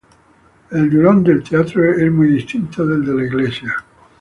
El Durón del Teatro es muy distinto del de la Iglesia.